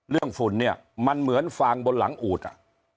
ฝุ่นเนี่ยมันเหมือนฟางบนหลังอูดอ่ะ